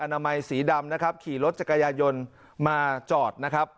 นามัยสีดำนะครับขี่รถจักรยายนต์มาจอดนะครับ